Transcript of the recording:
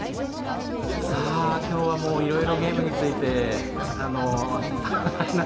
さあ今日はもういろいろゲームについて話ししてきて。